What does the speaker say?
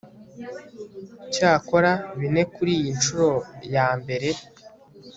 Cyakora bine kuriyi nshuro ya mbere